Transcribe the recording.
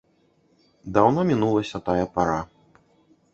Даўно мінулася тая пара.